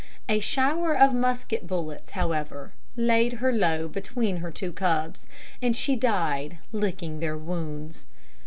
A shower of musket bullets, however, laid her low between her two cubs, and she died licking their wounds.